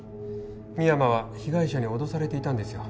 深山は被害者に脅されていたんですよ